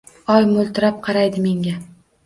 Oy moʻltirab qaraydi menga